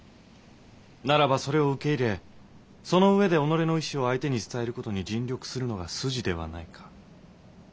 ならばそれを受け入れそのうえで己の意志を相手に伝える事に尽力するのが筋ではないか。